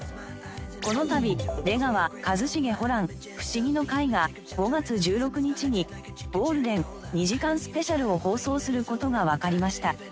このたび『出川一茂ホラン☆フシギの会』が５月１６日にゴールデン２時間スペシャルを放送する事がわかりました。